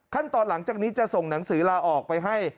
หลังจากนี้จะส่งหนังสือลาออกไปให้